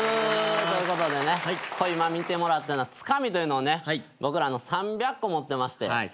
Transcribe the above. ということでね今見てもらったのはつかみというのをね僕ら３００個持ってまして。